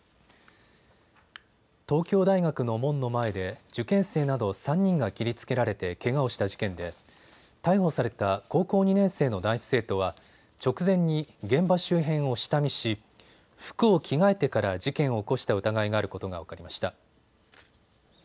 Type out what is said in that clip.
東京大学の門の前で受験生など３人が切りつけられてけがをした事件で逮捕された高校２年生の男子生徒は直前に現場周辺を下見し、服を着替えてから事件を起こした疑いがあることが分かりました。